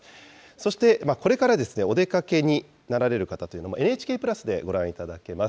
そしてこれからお出かけになられる方というのも、ＮＨＫプラスでご覧いただけます。